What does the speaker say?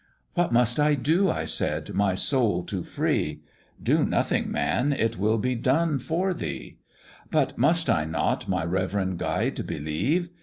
'What must I do,' I said, 'my soul to free?' 'Do nothing, man; it will be done for thee.' 'But must I not, my reverend guide, believe?'